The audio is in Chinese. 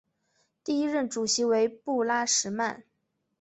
第一任主席为布拉什曼。